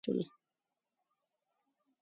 هغه وختونه چې خوږ وو، اوس ښخ شول.